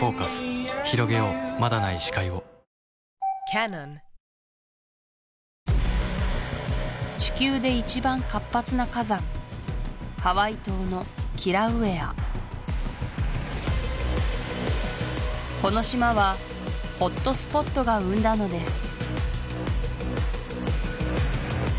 まだない視界を地球で一番活発な火山ハワイ島のキラウエアこの島はホットスポットが生んだのです